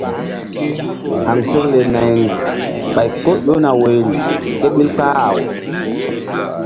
Haŋsekle nayri ɓay ko ƴona woyri ké ɓil kpah-aw.